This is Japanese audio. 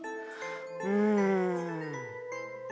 うん。